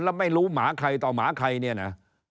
แล้วไม่รู้หมาใครต่อหมาใครเนี่ยนะ